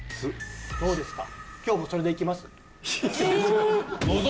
どうですか？